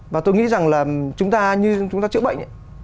và tôi nghĩ rằng là chúng ta như chúng ta chữa bệnh